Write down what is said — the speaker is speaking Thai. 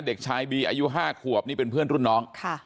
เด็กชายบีอายุ๕ขวบนี่เป็นเพื่อนรุ่นน้อง